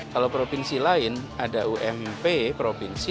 kalau provinsi lain ada ump provinsi